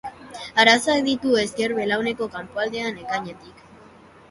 Arazoak ditu ezker belauneko kanpoaldean ekainetik.